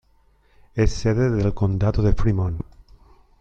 Es sede del condado de Fremont.